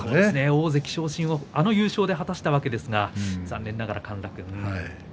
大関昇進を、あの優勝を果たしたわけですが残念ながら陥落。